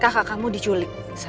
kakak kamu diculik sa